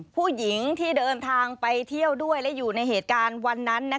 ผู้หญิงที่เดินทางไปเที่ยวด้วยและอยู่ในเหตุการณ์วันนั้น